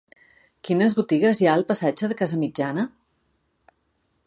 Quines botigues hi ha al passatge de Casamitjana?